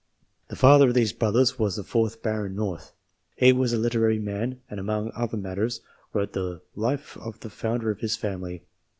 The father of these brothers was the fourth Baron North. He was a literary man, and, among other matters, wrote the life of the founder of his family.